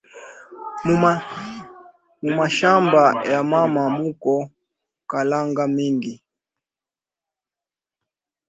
Mu mashamba ya mama muko kalanga mingi